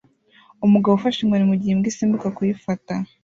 Umugabo ufashe inkoni mugihe imbwa isimbuka kuyifata